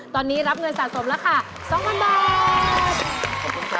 ตอนนี้รับเงินสะสมราคา๒๐๐๐บาท